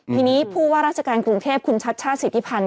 ทีนี้ผู้ว่าราชการกรุงเทพคุณชัชชาษศิษภัณฑ์